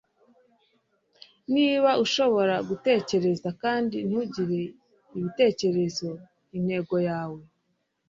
Niba ushobora gutekereza kandi ntugire ibitekerezo intego yawe